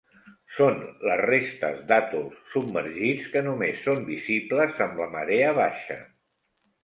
Són les restes d'atols submergits que només són visibles amb la marea baixa.